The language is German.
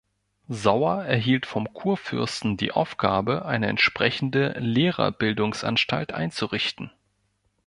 Sauer erhielt vom Kurfürsten die Aufgabe, eine entsprechende Lehrerbildungsanstalt einzurichten.